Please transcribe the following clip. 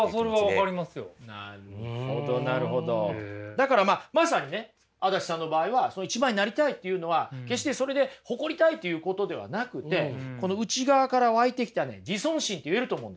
だからまあまさにね足立さんの場合は一番になりたいというのは決してそれで誇りたいということではなくて内側から湧いてきた自尊心と言えると思うんです。